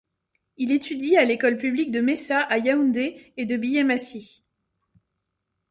Il étudie à l’école publique de Messa à Yaoundé et de Biyem-assi.